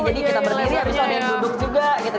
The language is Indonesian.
jadi kita berdiri habis itu ada yang duduk juga gitu